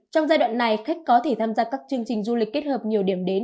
trong giai đoạn này khách có thể tham gia các chương trình du lịch kết hợp nhiều điểm đến